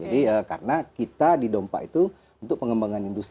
jadi karena kita didompak itu untuk pengembangan yang lebih baik